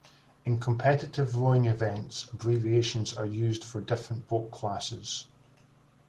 In competitive rowing events, abbreviations are used for different boat classes.